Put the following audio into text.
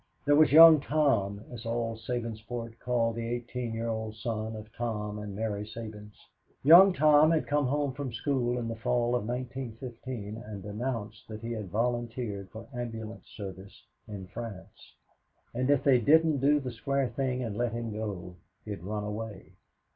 There was Young Tom, as all Sabinsport called the eighteen year old son of Tom and Mary Sabins. Young Tom had come home from school in the fall of 1915 and announced that he had volunteered for ambulance service in France, and that if they didn't do the square thing and let him go, he'd run away.